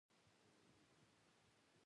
ویل یې وروره چې وسه یې وشي.